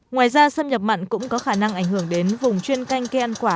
ngoài ra xâm nhập mặn cũng có khả năng ảnh hưởng đến vùng chuyên canh cây ăn quả